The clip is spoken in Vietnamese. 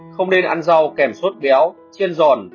không nên ăn rau kèm sốt béo chiên giòn